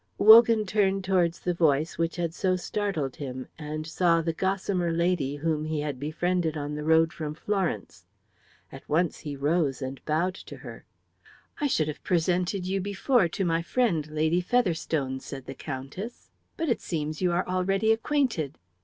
Wogan turned towards the voice which had so startled him and saw the gossamer lady whom he had befriended on the road from Florence. At once he rose and bowed to her. "I should have presented you before to my friend, Lady Featherstone," said the Countess, "but it seems you are already acquainted."